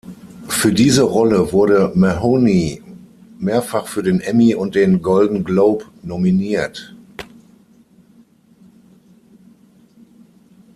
Für diese Rolle wurde Mahoney mehrfach für den Emmy und den Golden Globe nominiert.